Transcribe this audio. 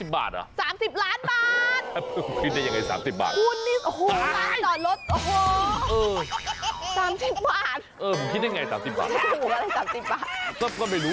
๓๐บาทเหรอ